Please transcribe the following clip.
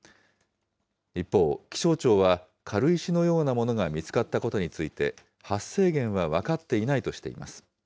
一方、気象庁は軽石のようなものが見つかったことについて、発生源は分かっていないとしています。